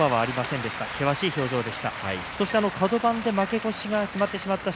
険しい表情でした。